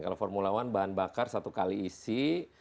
kalau formula one bahan bakar satu kali isi